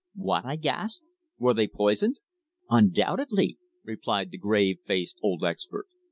"What?" I gasped. "Were they poisoned?" "Undoubtedly," replied the grave faced old expert.